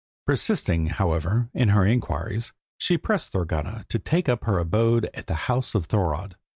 Persisting, however, in her inquiries, she pressed Thorgunna to take up her abode at the house of Thorodd.